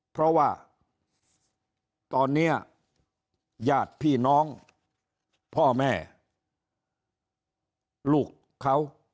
เพราะว่าตอนนี้ญาติพี่น้องพ่อแม่ลูกเขา